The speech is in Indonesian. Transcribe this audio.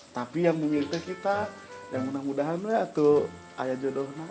tapi yang memiliki kita yang mudah mudahan itu ya tuh ayah jodoh nak